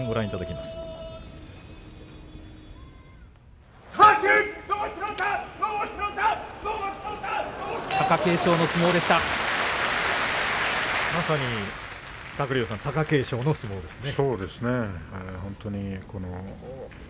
まさに貴景勝の相撲ですね。